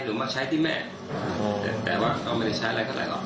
หนูมาใช้ที่แม่แต่ว่าเขาไม่ใช้อะไรเท่าไรหรอก